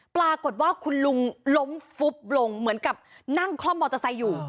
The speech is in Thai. ปรากฏว่าคุณลุงล้มฟุบลงเหมือนกับนั่งคล่อมมอเตอร์ไซค์อยู่